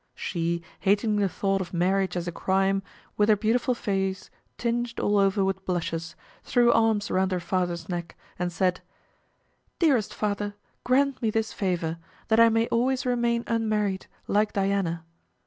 She, hating the thought of marriage as a crime, with her beautiful face tinged all over with blushes, threw arms around her father's neck, and said, "Dearest father, grant me this favor, that I may always remain unmarried, like Diana."